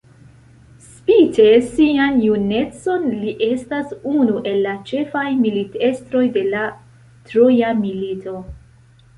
Spite sian junecon li estas unu el la ĉefaj militestroj de la Troja Milito.